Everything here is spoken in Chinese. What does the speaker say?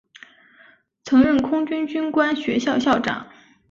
曾任空军军官学校校长。